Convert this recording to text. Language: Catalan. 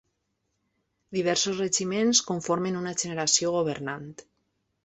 Diversos regiments conformen una generació governant.